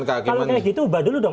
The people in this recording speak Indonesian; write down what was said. kalau kayak gitu ubah dulu dong